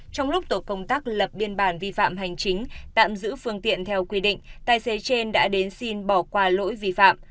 trong lúc tổ công tác lập biên bản vi phạm hành chính tạm giữ phương tiện theo quy định tài xế trên đã đến xin bỏ qua lỗi vi phạm